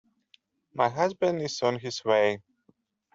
My husband is on his way.